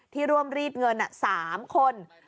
ที่ร่วมรีดเงิน๓คน